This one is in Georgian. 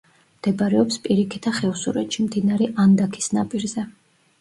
მდებარეობს პირიქითა ხევსურეთში, მდინარე ანდაქის ნაპირზე.